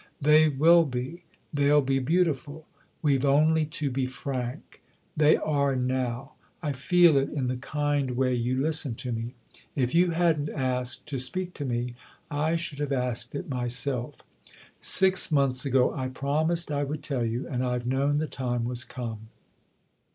They will be they'll be beautiful. We've only to be frank. They I8d THE OTHER HOUSE are now : I feel it in the kind way you listen to me* If you hadn't asked to speak to me I should have asked it myself. Six months ago I promised I would tell you, and I've known the time was come."